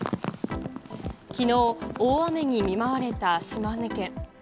きのう、大雨に見舞われた島根県。